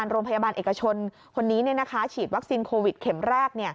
โรงพยาบาลเอกชนคนนี้ฉีดวัคซีนโควิดเข็มแรก